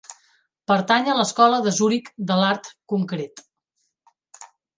Pertany a l'Escola de Zuric de l'art Concret.